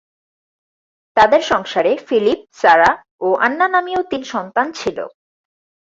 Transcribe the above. তাদের সংসারে Philip, Sara ও আন্না নামীয় তিন সন্তান ছিল।